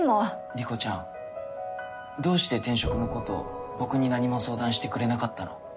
莉子ちゃんどうして転職のこと僕に何も相談してくれなかったの？